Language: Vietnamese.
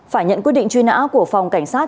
phải nhận quyết định truy nã của phòng cảnh sát